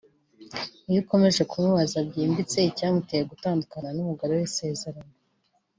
Iyo ukomeje kumubaza byimbitse icyamuteye gutandukana n’umugore w’isezerano